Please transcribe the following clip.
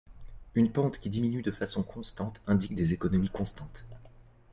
Une pente qui diminue de façon constante indique des économies constantes.